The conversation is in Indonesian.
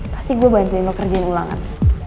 pasti gue bantuin lo kerjaan ulangan